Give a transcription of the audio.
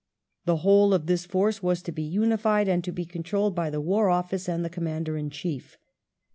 The whole of this force was to be unified, and to be controlled by the War Office and the Commander in Chief.